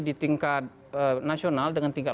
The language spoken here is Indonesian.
di tingkat nasional dengan tingkat